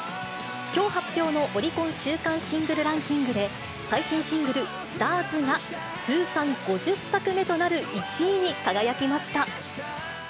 きょう発表のオリコン週間シングルランキングで最新シングル、ＳＴＡＲＳが、通算５０作目となる１位に輝きました。